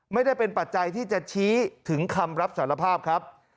ไม่ได้เป็นปัจจัยที่จะชี้ถึงคำรับสารภาพครับ